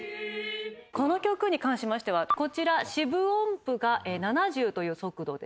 この曲に関しましてはこちら四分音符が７０という速度ですね。